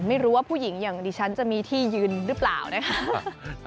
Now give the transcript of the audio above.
ไม่รู้ว่าผู้หญิงอย่างดิฉันจะมีที่ยืนหรือเปล่านะคะ